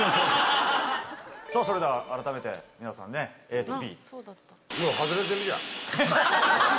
さぁそれでは改めて皆さんねＡとＢ。